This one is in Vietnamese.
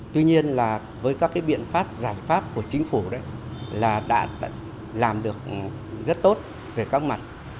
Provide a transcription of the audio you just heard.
tuy nhiên là với các cái biện pháp giải pháp của chính phủ là đã làm được rất tốt về các mặt